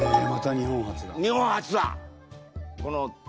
日本初だ。